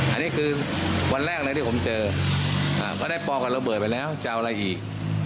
อันนี้คือวันแรกเลยที่ผมเจอก็ได้ปอกับระเบิดไปแล้วจะเอาอะไรอีก